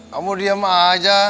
kamu diam aja